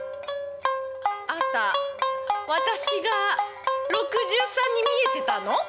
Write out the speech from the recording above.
ああた私が６３に見えてたの？